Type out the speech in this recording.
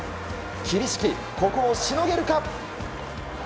桐敷、ここをしのげるか？